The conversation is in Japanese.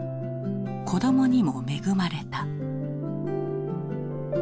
子どもにも恵まれた。